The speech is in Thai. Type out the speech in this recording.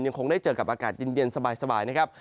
คงได้เจอกับอากาศเย็นสบายนะครับ